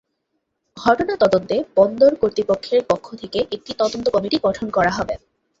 ঘটনা তদন্তে বন্দর কর্তৃপক্ষের পক্ষ থেকে একটি তদন্ত কমিটি গঠন করা হবে।